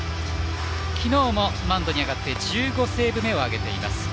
きのうもマウンドに上がって１５セーブ目を挙げています。